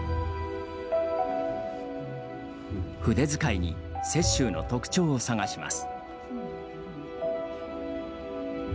筆づかいに雪舟の特徴を探します。